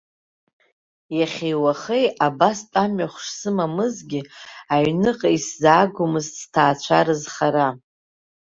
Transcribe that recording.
Иахьеи-уахеи абас тәамҩахә шсымамызгьы, аҩныҟа исзаагомызт ҳҭаацәа рызхара.